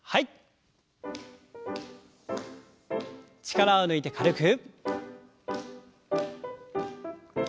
力を抜いて軽く。